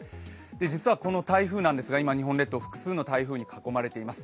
実はこの台風なんですが日本列島、複数の台風に囲まれています。